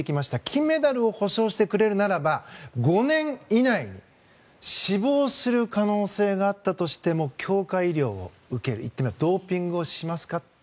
金メダルを保証してくれるならば５年以内に死亡する可能性があったとしても強化医療を受ける、言ってみればドーピングをしますかと。